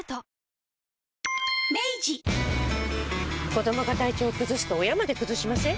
子どもが体調崩すと親まで崩しません？